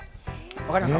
分かりますか？